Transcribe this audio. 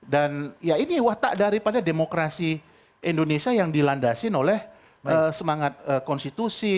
dan ya ini watak daripada demokrasi indonesia yang dilandasin oleh semangat konstitusi